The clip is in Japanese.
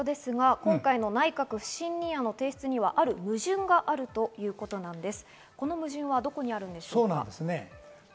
今回の内閣不信任案の提出にはとある矛盾があるということです。